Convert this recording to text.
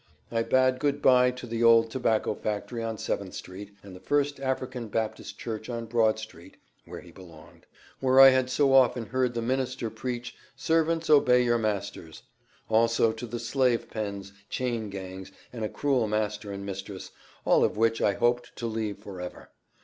I bade good bye to the old tobacco factory on Seventh street, and the First African Baptist church on Broad street (where he belonged), where I had so often heard the minister preach 'servants obey your masters;' also to the slave pens, chain gangs, and a cruel master and mistress, all of which I hoped to leave forever.